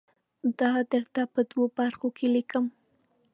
دا درته په دوو برخو کې لیکم.